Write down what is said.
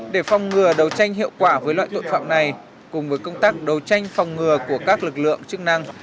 để phòng ngừa đấu tranh hiệu quả với loại tội phạm này cùng với công tác đấu tranh phòng ngừa của các lực lượng chức năng